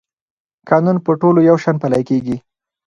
قانون په ټولو یو شان پلی کېږي.